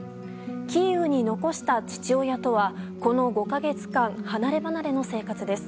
キーウに残した父親とはこの５か月間離ればなれの生活です。